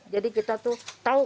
jadi kita tahu kesehatan